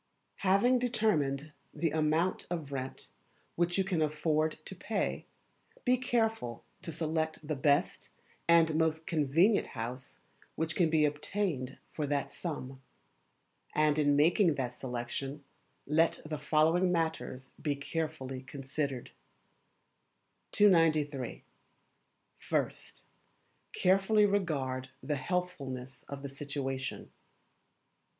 Having determined the Amount of Rent which you can afford to pay, be careful to select the best and most convenient house which can be obtained for that sum. And in making that selection let the following matters be carefully considered: 293. First Carefully regard the Healthfulness of the Situation.